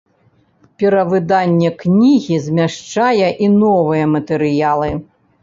Перавыданне кнігі змяшчае і новыя матэрыялы.